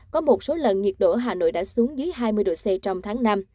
có một số lần nhiệt độ ở hà nội đã xuống dưới hai mươi độ c trong tháng năm